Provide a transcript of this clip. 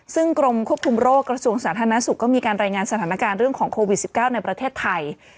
ซึ่งกรมควบคุมโรคกระทรวงสาธารณสุขก็มีการรายงานสถานการณ์เรื่องของโควิด๑๙ในประเทศไทย